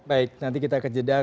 baik nanti kita ke jeddah